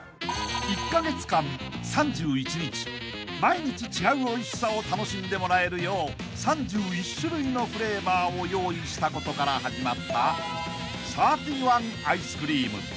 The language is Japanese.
［１カ月間３１日毎日違うおいしさを楽しんでもらえるよう３１種類のフレーバーを用意したことから始まったサーティワンアイスクリーム］